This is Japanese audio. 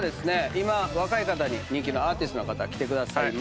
今若い方に人気のアーティストの方来てくださいました。